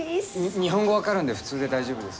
日本語分かるんで普通で大丈夫です。